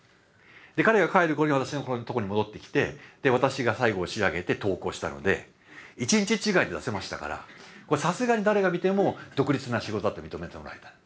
で彼が帰る頃に私のところに戻ってきて私が最後を仕上げて投稿したので１日違いで出せましたからこれさすがに誰が見ても独立な仕事だって認めてもらえた。